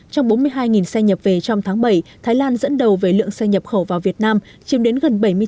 trong bốn mươi hai xe nhập về trong tháng bảy thái lan dẫn đầu về lượng xe nhập khẩu vào việt nam chiếm đến gần bảy mươi chín xếp sau là indonesia